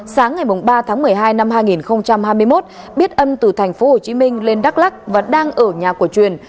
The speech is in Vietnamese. sáng ngày ba tháng một mươi hai năm hai nghìn hai mươi một biết âm từ tp hcm lên đắk lắc và đang ở nhà của truyền